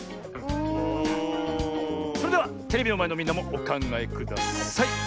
それではテレビのまえのみんなもおかんがえください！